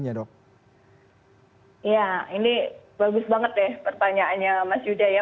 iya ini bagus banget deh pertanyaannya mas yudha ya